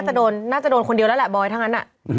ก็น่าจะโดนคนเดียวแล้วแหละบอยร์ทั้งแน่ะ